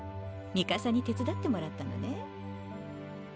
ミカサに手伝ってもらったのね？